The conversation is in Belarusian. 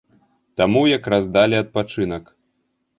Таму як раз далі адпачынак.